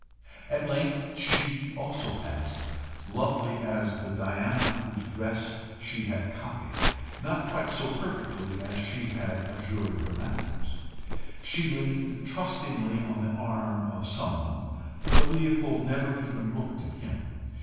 At length SHE also passed lovely as the Diana whose dress she had copied not quite so perfectly as she had abjured her manners. She leaned trustingly on the arm of some one, but Leopold never even looked at him.